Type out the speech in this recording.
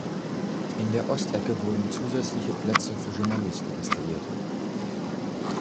In der Ostecke wurden zusätzliche Plätze für Journalisten installiert.